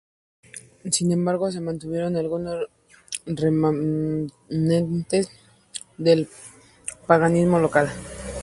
Sin embargo, se mantuvieron algunos remanentes del paganismo local.